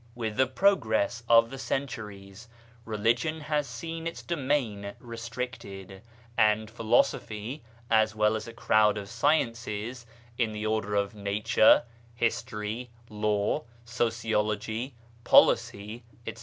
With the progress of the centuries, no BAHAISM religion has seen its domain restricted, and philosophy, as well as a crowd of sciences (in the order of nature, history, law, sociology, policy, etc.)